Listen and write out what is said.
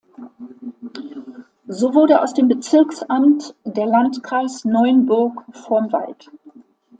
So wurde aus dem Bezirksamt der Landkreis Neunburg vorm Wald.